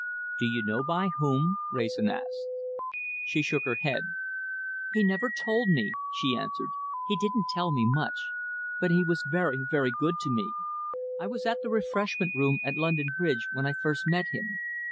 "Do you know by whom?" Wrayson asked. She shook her head. "He never told me," she answered. "He didn't tell me much. But he was very, very good to me. I was at the refreshment room at London Bridge when I first met him.